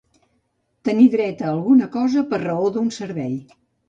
Tenir dret a alguna cosa per raó d'un servei.